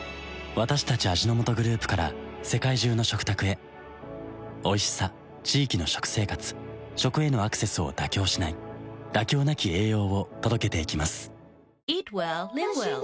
私たち味の素グループから世界中の食卓へおいしさ地域の食生活食へのアクセスを妥協しない「妥協なき栄養」を届けていきます